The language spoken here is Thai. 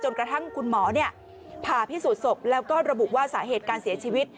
กระทั่งคุณหมอผ่าพิสูจน์ศพแล้วก็ระบุว่าสาเหตุการเสียชีวิต